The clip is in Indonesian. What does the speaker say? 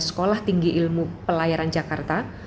sekolah tinggi ilmu pelayaran jakarta